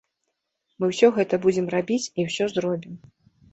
Мы ўсё гэта будзем рабіць і ўсё зробім!